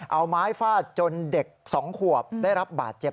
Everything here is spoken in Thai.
เอาไม้ฟาดจนเด็ก๒ขวบได้รับบาดเจ็บ